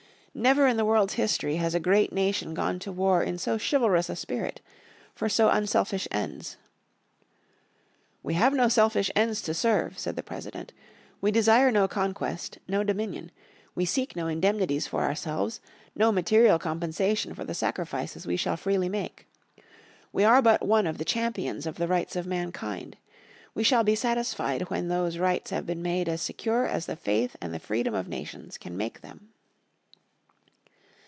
Never in the world's history has a great nation gone to war in so chivalrous a spirit, for so unselfish ends. "We have no selfish ends to serve," said the President. "We desire no conquest, no dominion. We seek no indemnities for ourselves, no material compensation for the sacrifices we shall freely make. We are but one of the champions of the rights of mankind. We shall be satisfied when those rights have been made as secure as the faith and the freedom of nations can make them."